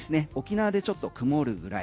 沖縄でちょっと曇るぐらい。